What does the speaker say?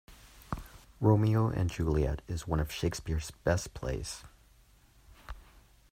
Romeo and Juliet is one of Shakespeare’s best plays